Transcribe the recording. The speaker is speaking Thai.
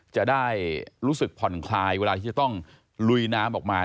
จะได้รู้สึกผ่อนคลายเวลาที่จะต้องลุยน้ำออกมา